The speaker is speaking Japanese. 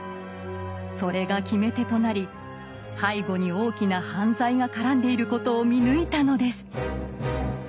それが決め手となり背後に大きな犯罪が絡んでいることを見抜いたのです。